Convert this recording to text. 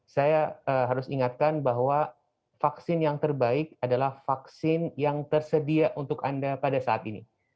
saya harus ingatkan bahwa vaksin yang terbaik adalah vaksin yang tersedia untuk anda pada saat ini